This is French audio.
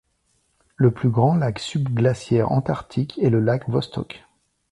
Le plus grand lac subglaciaire antarctique est le lac Vostok.